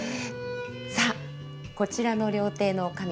さあこちらの料亭のおかみ